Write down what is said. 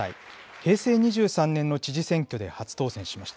平成２３年の知事選挙で初当選しました。